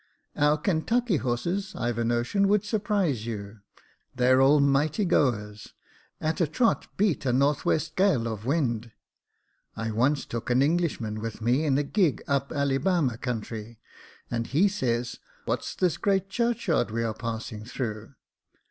" Our Kentucky horses, I've a notion, would surprise you. They're almighty goers ; at a trot, beat a N.W. gal of wind. I once took an Englishman with me in a gig up Allibama country, and he says, * What's this great churchyard we are passing through